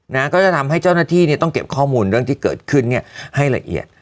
นะก็จะทำให้เจ้าหน้าที่เนี่ยต้องเก็บข้อมูลเรื่องที่เกิดขึ้นเนี่ยให้ละเอียด